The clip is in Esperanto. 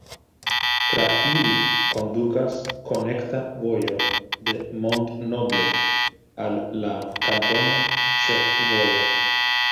Tra ili kondukas konekta vojo de Mont-Noble al la kantona ĉefvojo.